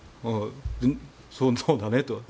そうだねと。